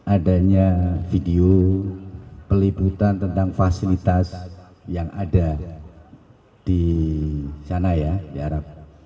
adanya video peliputan tentang fasilitas yang ada di sana ya di arab